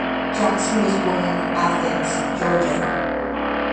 Jackson was born in Athens, Georgia.